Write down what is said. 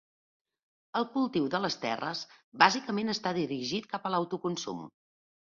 El cultiu de les terres, bàsicament està dirigit cap a l'autoconsum.